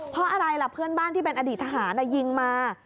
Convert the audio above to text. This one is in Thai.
เพราะอะไรล่ะเพื่อนบ้านที่เป็นอดีตทหารยิงมา